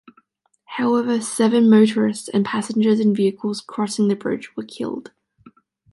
However seven motorists and passengers in vehicles crossing the bridge were killed.